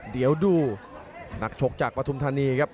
เดี๋ยวดูนักชกจากปฐุมธานีครับ